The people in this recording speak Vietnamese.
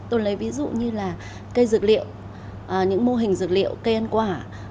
tôi lấy ví dụ như là cây dược liệu những mô hình dược liệu cây ăn quả